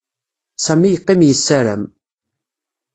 Sami yeqqim yessaram.